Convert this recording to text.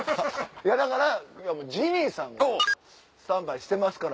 だから今もうジミーさんがスタンバイしてますから。